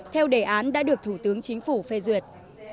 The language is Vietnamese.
theo đề án đã được thủ tướng chính phủ phê duyệt